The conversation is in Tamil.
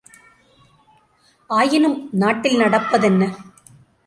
ஆயினும் நாட்டில் நடப்பதென்ன?